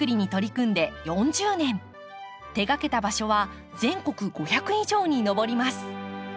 手がけた場所は全国５００以上に上ります。